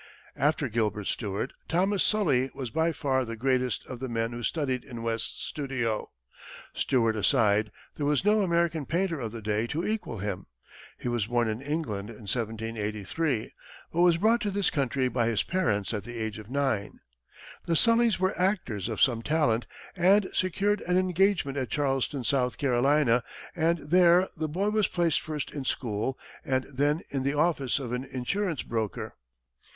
After Gilbert Stuart, Thomas Sully was by far the greatest of the men who studied in West's studio. Stuart aside, there was no American painter of the day to equal him. He was born in England in 1783, but was brought to this country by his parents at the age of nine. The Sullys were actors of some talent and secured an engagement at Charleston, South Carolina, and there the boy was placed first in school, and then in the office of an insurance broker.